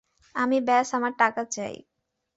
আমি ব্যস আমার টাকা চাই।